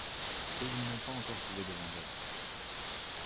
Et ils n'ont pas encore trouvé de vendeur!